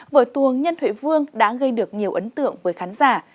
vở tuồng nhân huệ vương đã gây được nhiều ấn tượng với khán giả